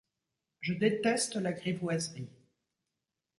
Je déteste la grivoiserie.